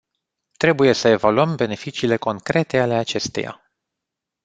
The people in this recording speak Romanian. Trebuie să evaluăm beneficiile concrete ale acesteia.